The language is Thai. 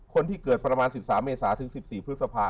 คนที่เกิดประมาณ๑๓เมษาถึง๑๔พฤษภา